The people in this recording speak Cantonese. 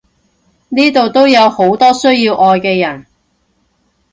呢度都有好多需要愛嘅人！